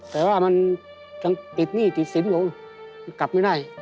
แต่ว่ามันติดหนี้ติดสินผมกลับไม่ได้